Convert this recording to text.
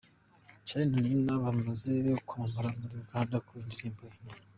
Charly na Nina bamaze kwamamara muri Uganda kubera indirimbo "Indoro".